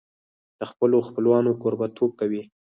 د خپلو خپلوانو کوربهتوب کوي.